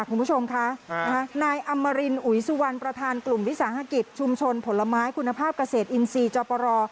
คุณผู้ชมคะนายอมรินอุ๋ยสุวรรณประธานกลุ่มวิสาหกิจชุมชนผลไม้คุณภาพเกษตรอินทรีย์จอปร